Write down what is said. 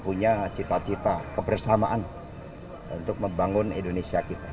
punya cita cita kebersamaan untuk membangun indonesia kita